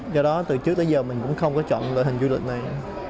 do đó từ trước tới giờ mình cũng không có chọn loại hình du lịch này